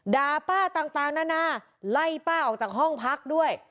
ด่าป้าต่างนานาไล่ป้าออกจากห้องพักด้วย